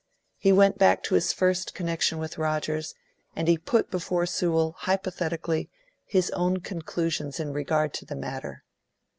He went back to his first connection with Rogers, and he put before Sewell hypothetically his own conclusions in regard to the matter.